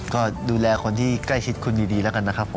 ก็ดูแลคนที่ใกล้ชิดคุณอยู่ดีแล้วกันนะครับผม